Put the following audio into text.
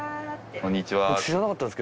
こんにちはって。